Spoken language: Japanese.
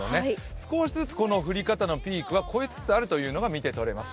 少しずつ振り方のピークは越えてきているというのが見て取れます。